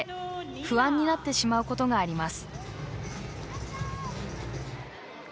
不安になってしまうことがあります。